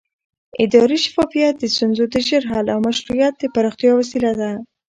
اداري شفافیت د ستونزو د ژر حل او مشروعیت د پراختیا وسیله ده